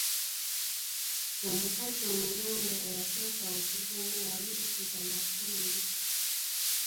Omukazi omuganda eyasooka okuzannya yali Eseza Makumbi.